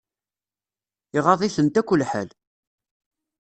Iɣaḍ-itent akk lḥal.